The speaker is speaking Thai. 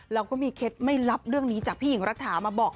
เราก็มีเคล็ดไม่ลับเรื่องนี้จากพี่หญิงรัฐามาบอก